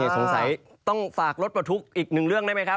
สงสัยต้องฝากรถประทุกข์อีกหนึ่งเรื่องได้ไหมครับ